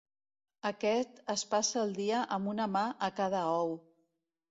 Aquest es passa els dies amb una mà a cada ou.